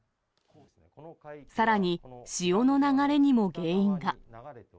さらに、潮の流れにも原因が。